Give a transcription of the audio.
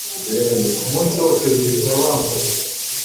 Umunsi wose birirwa bambabaza